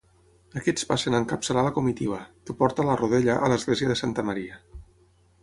Aquests passen a encapçalar la comitiva, que porta la Rodella a l'església de Santa Maria.